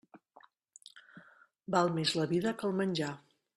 Val més la vida que el menjar.